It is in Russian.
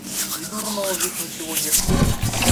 И дурного ведь ничего нет.